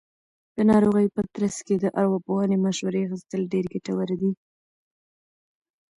د ناروغۍ په ترڅ کې د ارواپوهنې مشورې اخیستل ډېر ګټور دي.